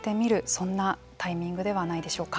そんなタイミングではないでしょうか。